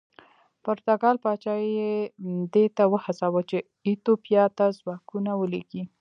پرتګال پاچا یې دې ته وهڅاوه چې ایتوپیا ته ځواکونه ولېږي.